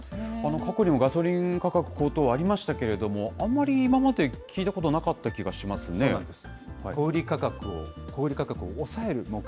過去にもガソリン価格高騰、ありましたけれども、あんまり今まで聞いたことなかった気がしますね。